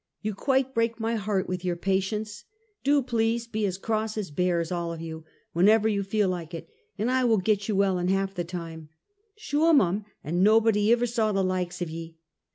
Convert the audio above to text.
You quite break my heart with your patience. Do, please be as cross as bears, all of you, whenever you feel like it, and I will get you well in half the time." *' Schure mum, an' nobody iver saw the likes of ye!"